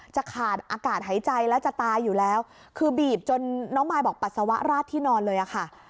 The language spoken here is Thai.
จะขาดอากาศหายใจแล้วจะตายอยู่แล้วคือบีบจนน้องมายบอกปัสสาวะราดที่นอนเลยอะค่ะ